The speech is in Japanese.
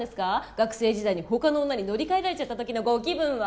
学生時代に他の女に乗り換えられちゃった時のご気分は。